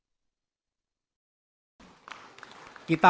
nilai tukar tanya di negara mantun pasti memakai itu kita tidak